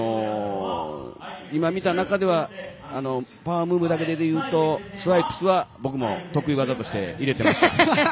今見た中ではパワームーブだけでいうとスワイプスは僕も得意技として入れてました。